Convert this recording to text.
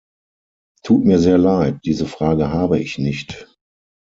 Tut mir sehr Leid, diese Frage habe ich nicht.